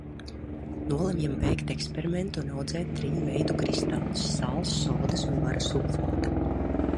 Nolemjam veikt eksperimentu un audzēt triju veidu kristālus - sāls, sodas un vara sulfāta.